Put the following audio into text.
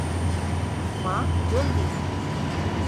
মা, জলদি।